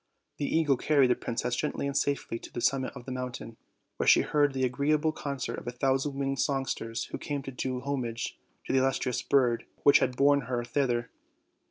The eagle carried the princess gently and safely to the summit of the mountain, where she heard the agreeable concert of a thousand winged songsters who came to do homage to the illustrious bird which had borne her thither.